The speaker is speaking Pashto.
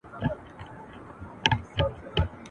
چي مي پل پکښي زده کړی چي مي ایښی پکښي ګام دی !.